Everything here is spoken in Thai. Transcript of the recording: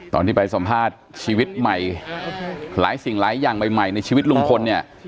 ตอนที่ไปสัมภาษณ์ชีวิตใหม่หลายสิ่งหลายอย่างใหม่ในชีวิตลุงพลเนี่ย